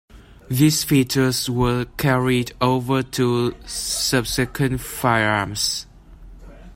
These features were carried over to subsequent firearms.